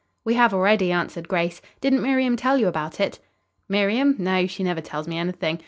"We have already," answered Grace. "Didn't Miriam tell you about it?" "Miriam? No; she never tells me anything.